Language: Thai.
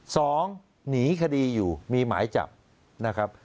สองหนีคดีอยู่มีหมายจับนะครับ